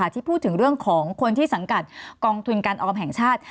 ที่พูดถึงเรื่องของคนที่สังกัดกองทุนการออมแห่งชาติ